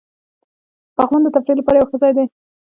پغمان د تفریح لپاره یو ښه ځای دی.